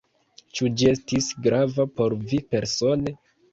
Ĉu ĝi estis grava por vi persone?